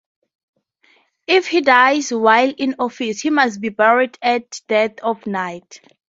If he dies while in office, he must be buried at dead of night.